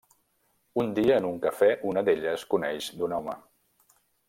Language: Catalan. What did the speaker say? Un dia, en un cafè, una d'elles coneix d'un home.